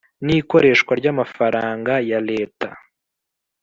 n ikoreshwa ry amafaranga ya Leta